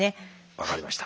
分かりました。